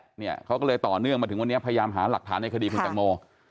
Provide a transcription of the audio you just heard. เนี่ยเขาก็เลยต่อเนื่องมาถึงวันนี้พยายามหาหลักฐานในคดีคุณแตงโม